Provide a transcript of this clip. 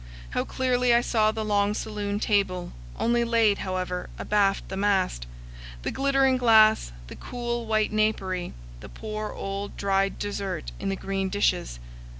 How clearly I saw the long saloon table, only laid, however, abaft the mast; the glittering glass, the cool white napery, the poor old dried dessert in the green dishes!